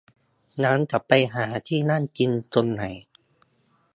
งั้นจะไปหาที่นั่งกินตรงไหน